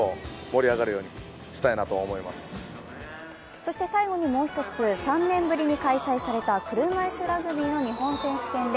そして最後にもう１つ、３年ぶりに開催された車いすラグビーの日本選手権で